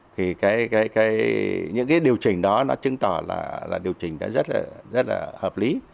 thì những điều chỉnh đó chứng tỏ là điều chỉnh rất là hợp lý